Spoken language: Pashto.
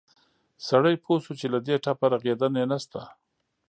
سړى پوى شو چې له دې ټپه رغېدن يې نه شته.